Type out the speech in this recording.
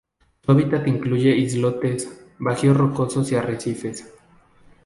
Su hábitat incluye islotes, bajíos rocosos y arrecifes.